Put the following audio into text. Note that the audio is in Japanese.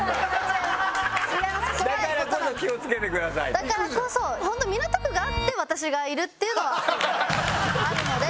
だからこそ本当に港区があって私がいるっていうのはあるので。